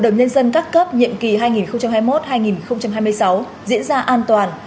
đồng nhân dân các cấp nhiệm kỳ hai nghìn hai mươi một hai nghìn hai mươi sáu diễn ra an toàn